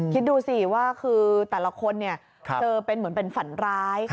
คิดดูสิว่าคือแต่ละคนเจอเป็นเหมือนเป็นฝันร้าย